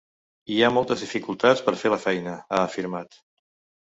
Hi ha moltes dificultats per fer la feina, ha afirmat.